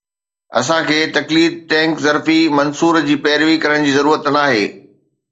اسان کي تقليد ٽينڪ ظرفي منصور جي پيروي ڪرڻ جي ضرورت ناهي